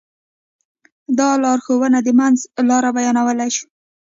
دا لارښوونه د منځ لاره بيانولی شو.